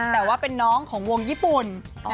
แต่ว่าเป็นน้องของวงญี่ปุ่น